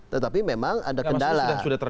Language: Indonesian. tetapi memang ada kendala